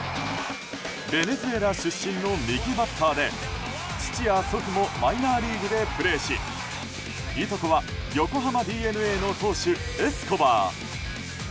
ベネズエラ出身の右バッターで父や祖父もマイナーリーグでプレーしいとこは横浜ＤｅＮＡの投手エスコバー。